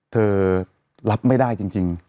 รับไม่ได้จริง